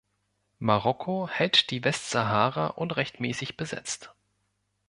Marokko hält die Westsahara unrechtmäßig besetzt.